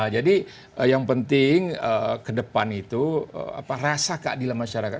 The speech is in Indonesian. jadi yang penting ke depan itu rasa keadilan masyarakat